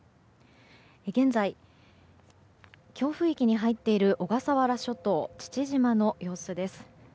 現在、強風域に入っている小笠原諸島父島の様子です。